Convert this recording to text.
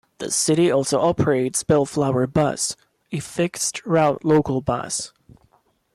The city also operates Bellflower Bus, a fixed-route local bus.